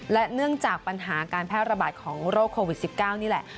และเนื่องจากปัญหาการแพร่ระบาดของโรคโควิด๑๙นี่แหละ